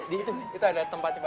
itu ada tempat coba